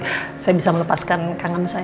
kan dibantu sama randy